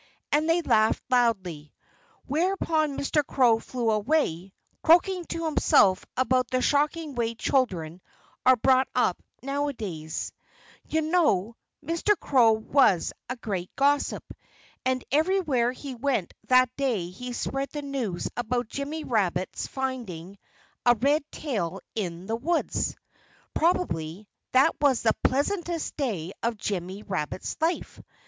And they laughed loudly. Whereupon Mr. Crow flew away, croaking to himself about the shocking way children are brought up nowadays. You know, Mr. Crow was a great gossip. And everywhere he went that day he spread the news about Jimmy Rabbit's finding a red tail in the woods. Probably that was the pleasantest day of Jimmy Rabbit's life.